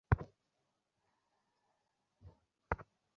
এ সুখের মধ্যে আমার কুকর্মের স্মৃতি কোনো বিকার ঘটাতে পারবে না।